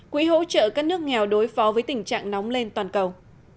quỹ hỗ trợ các nước nghèo đối phó với tình trạng nóng lên toàn cầu